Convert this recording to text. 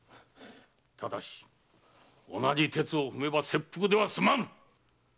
ただし同じ轍を踏めば切腹ではすまぬ！